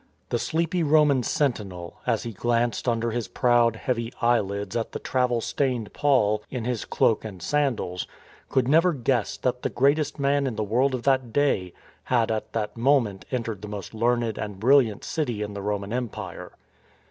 The sleepy Roman sentinel, as he glanced under his proud, heavy eyelids at the travel stained Paul in his cloak and sandals, could never guess that the greatest man in the world of that day had at that moment entered the most learned and brilliant city in the Roman Empire.